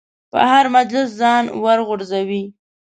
په هر مجلس ځان ورغورځوي.